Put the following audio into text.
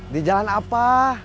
di jalan apa